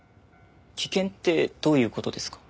危険ってどういう事ですか？